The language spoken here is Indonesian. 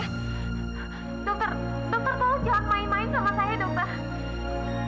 dokter dokter tolong jangan main main sama saya dokter